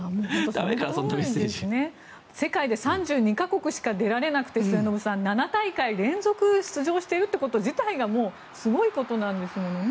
末延さん、世界で３２か国しか出られなくて７大会連続出場しているということ自体がすごいことなんですよね。